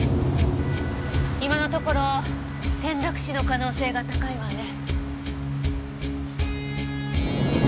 今のところ転落死の可能性が高いわね。